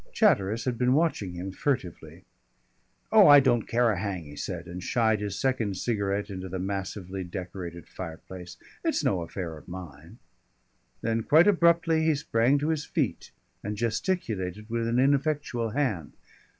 Chatteris had been watching him furtively. "Oh, I don't care a hang," he said, and shied his second cigarette into the massively decorated fireplace. "It's no affair of mine." Then quite abruptly he sprang to his feet and gesticulated with an ineffectual hand.